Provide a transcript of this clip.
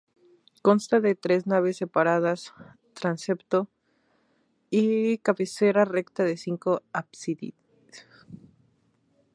Consta de tres naves separadas, transepto y cabecera recta de cinco ábsides.